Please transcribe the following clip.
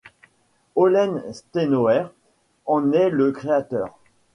Olen Steinhauer en est le créateur.